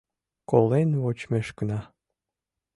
Колен вочмешкына...